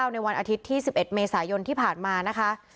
ในวันอาทิตย์ที่๑๑เมษายนที่ผ่านมานะคะ